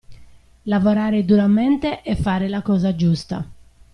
Lavorare duramente è fare la cosa giusta.